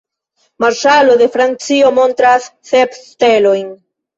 Marŝalo de Francio montras sep stelojn.